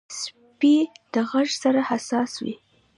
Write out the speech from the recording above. سپي د غږ سره حساس وي.